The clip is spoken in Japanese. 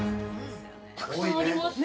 ◆たくさんありますね。